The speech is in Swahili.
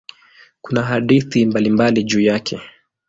Kuna hadithi mbalimbali juu yake.